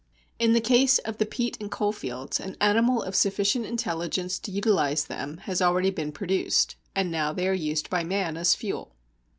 In the case of the peat and coalfields, an animal of sufficient intelligence to utilize them has already been produced, and now they are used by man as fuel.